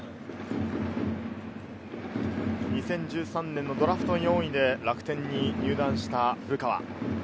２０１３年のドラフト４位で楽天に入団した古川。